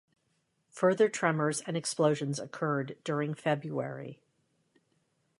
Further tremors and explosions occurred during February.